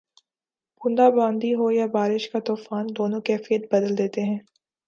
بوندا باندی ہو یا بارش کا طوفان، دونوں کیفیت بدل دیتے ہیں۔